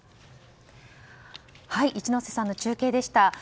一之瀬さんの中継でした。